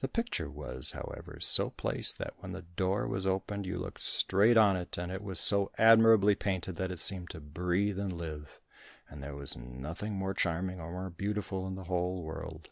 The picture was, however, so placed that when the door was opened you looked straight on it, and it was so admirably painted that it seemed to breathe and live, and there was nothing more charming or more beautiful in the whole world.